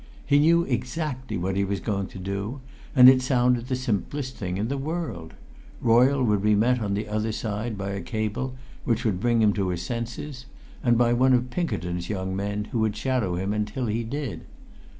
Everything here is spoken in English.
He knew exactly what he was going to do, and it sounded the simplest thing in the world. Royle would be met on the other side by a cable which would bring him to his senses and by one of Pinkerton's young men who would shadow him until it did.